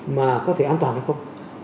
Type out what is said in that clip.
mà có thể an toàn hay không